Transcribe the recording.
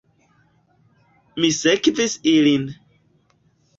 Mi sekvis ilin.